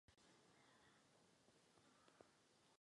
Je nejstarší kulturní institucí svého druhu na území Kosova.